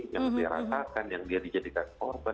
yang dia rasakan yang dia dijadikan korban